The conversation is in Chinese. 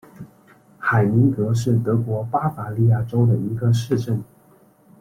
海明格是德国巴伐利亚州的一个市镇。